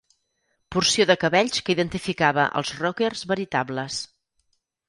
Porció de cabells que identificava els rockers veritables.